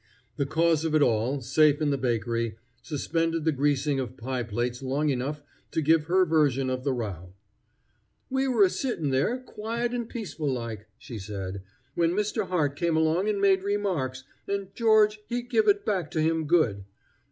The cause of it all, safe in the bakery, suspended the greasing of pie plates long enough to give her version of the row: "We were a sittin' there, quiet an' peaceful like," she said, "when Mister Hart came along an' made remarks, an' George he give it back to him good.